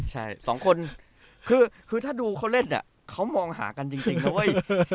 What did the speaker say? ใช่สองคนคือถ้าดูเขาเล่นเขามองหากันจริงนะเว้ย